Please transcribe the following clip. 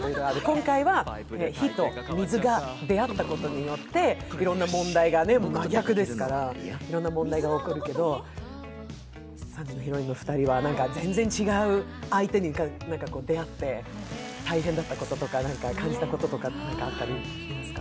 今回は火と水が出会ったことによって真逆だからいろんな問題が起こるけど、３時のヒロインの２人は全然違う相手に出会って、大変だったこととか感じたこととあったりしますか？